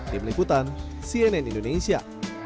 tim liputan cnn indonesia